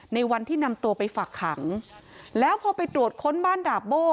ในวันที่นำตัวไปฝักขังแล้วพอไปตรวจค้นบ้านดาบโบ้